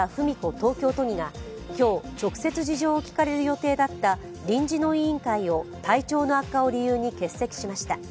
東京都議が今日、直接事情を聴かれる予定だった臨時の委員会を体調の悪化を理由に欠席しました。